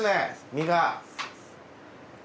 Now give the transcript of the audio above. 身が。